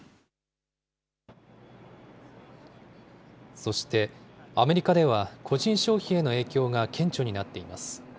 そして、アメリカでは個人消費への影響が顕著になっています。